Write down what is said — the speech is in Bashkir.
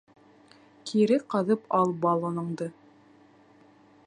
Кире ҡаҙып ал баллоныңды.